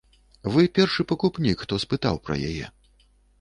Вы першы пакупнік, хто спытаў пра яе.